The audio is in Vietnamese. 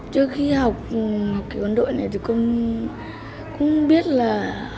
trước khi học quân đội này thì con cũng biết là